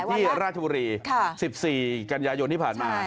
หลายวันแล้วค่ะที่ราชบุรี๑๔กันยายนที่ผ่านมา